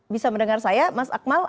bisa mendengar saya mas akmal